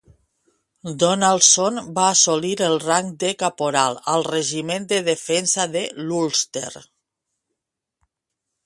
Donaldson va assolir el rang de caporal al regiment de defensa de l"Ulster.